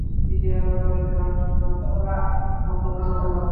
ইলিয়ারাজারের গান শোনার মতো মনে হবে।